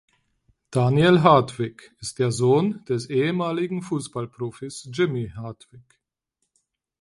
Daniel Hartwig ist der Sohn des ehemaligen Fußballprofis Jimmy Hartwig.